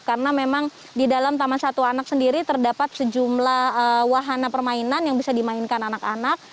karena memang di dalam taman satwa anak sendiri terdapat sejumlah wahana permainan yang bisa dimainkan anak anak